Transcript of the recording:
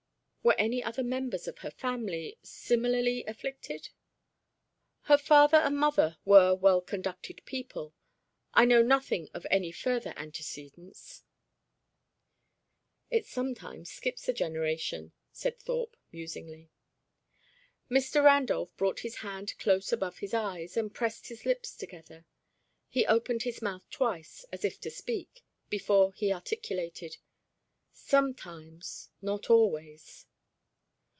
"Were any other members of her family similarly afflicted?" "Her father and mother were well conducted people. I know nothing of any further antecedents." "It sometimes skips a generation," said Thorpe, musingly. Mr. Randolph brought his hand close above his eyes, and pressed his lips together. He opened his mouth twice, as if to speak, before he articulated, "Sometimes, not always."